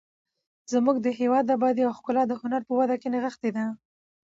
زموږ د هېواد ابادي او ښکلا د هنر په وده کې نغښتې ده.